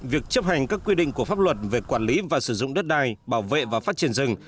việc chấp hành các quy định của pháp luật về quản lý và sử dụng đất đai bảo vệ và phát triển rừng